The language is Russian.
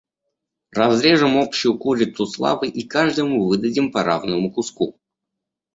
Разрежем общую курицу славы и каждому выдадим по равному куску.